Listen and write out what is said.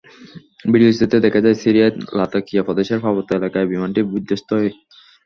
ভিডিওচিত্রে দেখা যায়, সিরিয়ার লাতাকিয়া প্রদেশের পার্বত্য এলাকায় বিমানটি বিধ্বস্ত হয়।